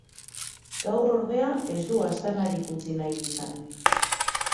Gaur ordea, ez du aztarnarik utzi nahi izan.